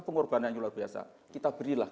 pengorbanan yang luar biasa kita berilah